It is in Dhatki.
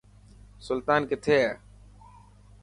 سلطان ڪٿي هي؟